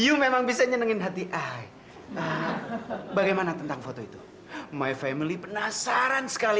you memang bisa nyenengin hati ahy bagaimana tentang foto itu my family penasaran sekali